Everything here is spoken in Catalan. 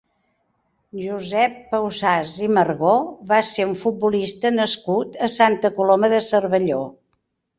Josep Pausàs i Margó va ser un futbolista nascut a Santa Coloma de Cervelló.